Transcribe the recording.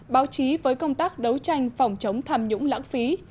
báo chí với công tác đấu tranh phòng chống tham nhũng lãng phí